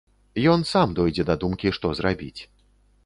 Ён сам дойдзе да думкі, што зрабіць.